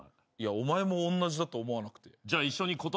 お前もおんなじだと思わなくて。